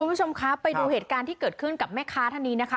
คุณผู้ชมครับไปดูเหตุการณ์ที่เกิดขึ้นกับแม่ค้าท่านนี้นะคะ